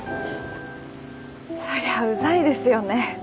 そりゃうざいですよね。